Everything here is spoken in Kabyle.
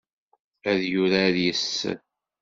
Ad yurar yis-s.